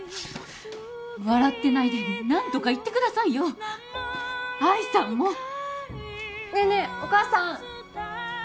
笑ってないで何とか言ってくださいよ愛さんもねえねえお母さん